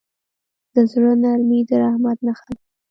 د زړه نرمي د رحمت نښه ده.